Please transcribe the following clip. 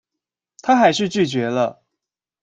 她還是拒絕了